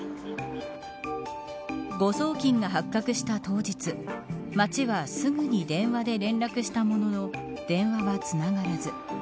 誤送金が発覚した当日町はすぐに電話で連絡したものの電話はつながらず。